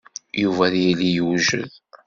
Yuba ad yili yewjed.